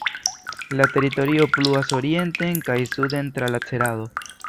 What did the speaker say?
La teritorio pluas orienten kaj suden tra la Cerado.